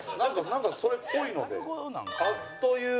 なんかそれっぽいので。